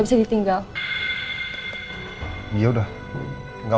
budi ingin tahu